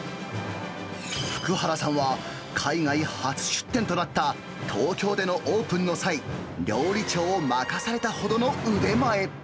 福原さんは、海外初出店となった東京でのオープンの際、料理長を任されたほどの腕前。